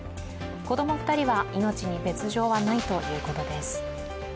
子供２人は命に別状はないということです。